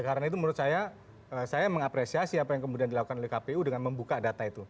karena itu menurut saya saya mengapresiasi apa yang kemudian dilakukan oleh kpu dengan membuka data itu